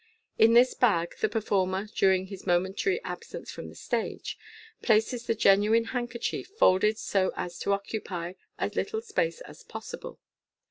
In this bag the performer, during his momentary absence from the stage, places the genuine handkerchief, folded so as to occupy as little space as possible.